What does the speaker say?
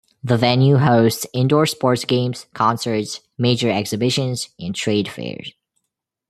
The venue hosts indoor sports games, concerts, major exhibitions and trade fairs.